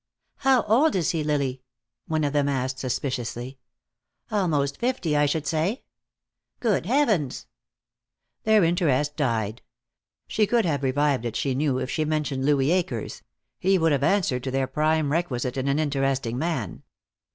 "How old is he, Lily?" one of them asked, suspiciously. "Almost fifty, I should say." "Good heavens!" Their interest died. She could have revived it, she knew, if she mentioned Louis Akers; he would have answered to their prime requisite in an interesting man.